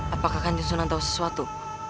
apakah kanjeng sunan tahu sesuatu